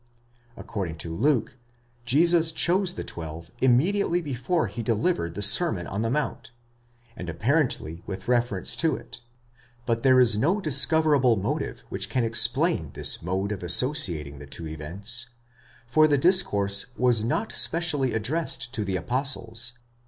According to Luke, Jesus chose the twelve immediately before he delivered the Sermon on the Mount, and apparently with reference to it; but there is no discoverable motive which can explain this mode of associating the two events, for the discourse was not specially addressed to the apostles